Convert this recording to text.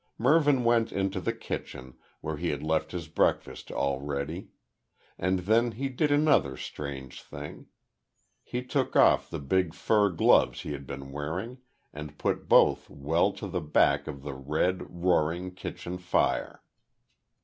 Mervyn went into the kitchen, where he had left his breakfast all ready; and then he did another strange thing. He took off the big fur gloves he had been wearing, and put both well to the back of the red, roaring, kitchen fire.